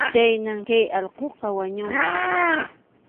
Chhaynam kay allquqa wañunqa.